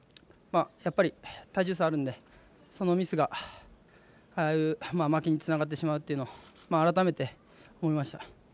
やっぱり体重差あるんでそのミスがああいう負けにつながってしまうっていうのを改めて思いました。